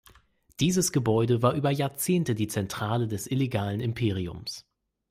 Dieses Gebäude war über Jahrzehnte die Zentrale des illegalen Imperiums.